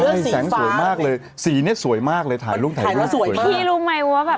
พี่รู้ไหมว่าแบบทุกคนอยากได้แจกัญ